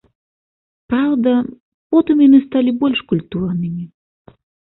Праўда, потым яны сталі больш культурнымі.